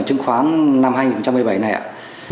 chứng khoán năm hai nghìn một mươi bảy này ạ